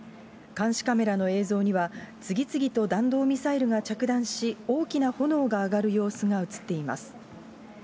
監視カメラの映像には、次々と弾道ミサイルが着弾し、大きな炎が上がる様子が写っています。